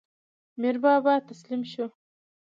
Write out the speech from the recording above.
میربابا تسلیم شو.